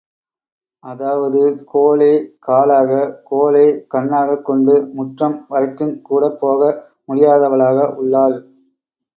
அதாவது, கோலே காலாக, கோலே கண்ணாகக் கொண்டு முற்றம் வரைக்குங் கூடப்போக முடியாதவளாக உள்ளாள்.